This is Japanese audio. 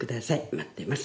待っています。